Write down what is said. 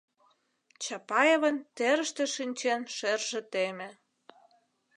Чапаевын терыште шинчен шерже теме.